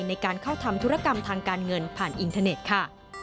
ในการเข้าทำธุรกรรมทางการเงินผ่านอินเทอร์เน็ตค่ะ